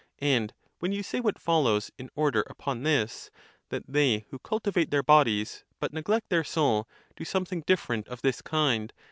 And when you say what follows in order upon this, that they, who cultivate their bodies, but neglect their soul, !do something different of this kind